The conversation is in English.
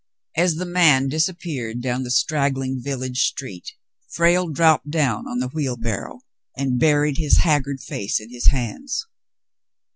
As the man disappeared down the straggling village street, Frale dropped down on the wheelbarrow and buried his haggard face in his hands.